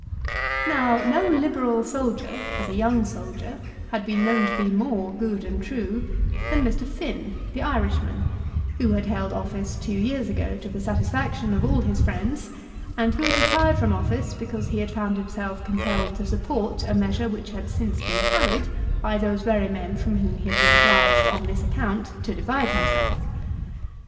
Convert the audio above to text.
Now no Liberal soldier, as a young soldier, had been known to be more good and true than Mr. Finn, the Irishman, who had held office two years ago to the satisfaction of all his friends, and who had retired from office because he had found himself compelled to support a measure which had since been carried by those very men from whom he had been obliged on this account to divide himself.